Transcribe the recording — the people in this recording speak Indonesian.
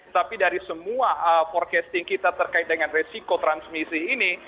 tapi dari semua forecasting kita terkait dengan resiko transmisi ini